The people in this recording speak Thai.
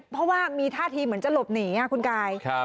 เพราะว่ามีท่าทีเหมือนจะหลบหนีคุณกาย